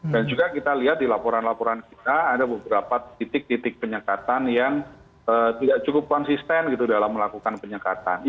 dan juga kita lihat di laporan laporan kita ada beberapa titik titik penyekatan yang tidak cukup konsisten gitu dalam melakukan penyekatan